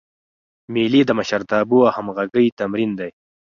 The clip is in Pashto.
مېلې د مشرتابه او همږغۍ تمرین دئ.